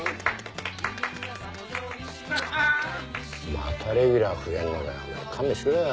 またレギュラー増えるのかよ。